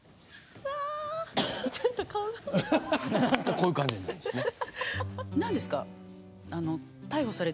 こういう感じになるんですね。